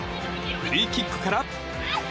フリーキックから。